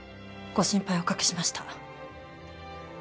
ご心配おかけしました。